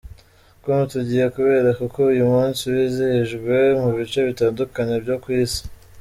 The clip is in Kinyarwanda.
com tugiye kubereka uko uyu munsi wizihijwe mu bice bitandukanye byo ku isi.